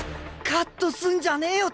カットすんじゃねえよ